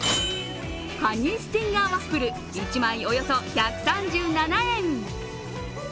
ハニースティンガーワッフル、１枚およそ１３７円。